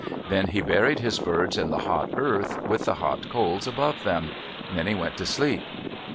Then he buried his birds in the hot earth, with the hot coals above them. Then he went to sleep.